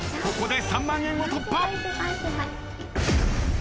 ここで３万円を突破。